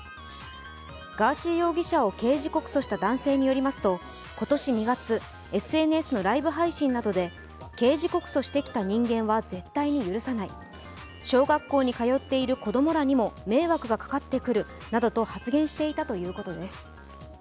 ガーシー容疑者を刑事告訴した男性によりますと、今年２月、ＳＮＳのライブ配信などで刑事告訴してきた人間は絶対に許さない、小学校に通っている子供らにも迷惑がかかってくるなどと発言していたということです。